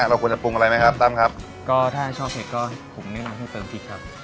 เราควรจะปรุงอะไรไหมครับตั้มครับก็ถ้าชอบเผ็ดก็ผมแนะนำให้เติมพริกครับ